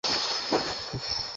আমি দূরে থেকে তাঁকে দেখছি।